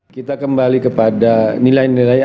kita kembali kepada nilai nilai